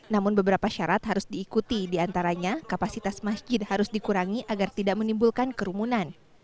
namun beberapa syarat harus diikuti diantaranya kapasitas masjid harus dikurangi agar tidak menimbulkan kerumunan